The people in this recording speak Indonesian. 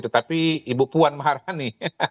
tetapi ibu puan maharani